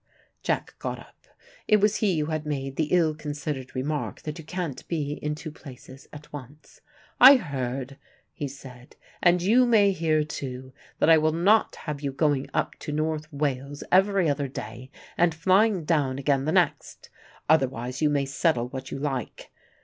'" Jack got up: it was he who had made the ill considered remark that you can't be in two places at once. "I heard," he said, "and you may hear, too, that I will not have you going up to North Wales every other day, and flying down again the next. Otherwise you may settle what you like.